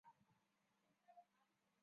存在有同社名义发表的作品。